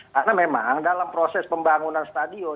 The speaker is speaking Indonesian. karena memang dalam proses pembangunan stadion